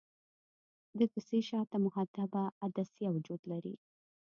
د کسي شاته محدبه عدسیه وجود لري.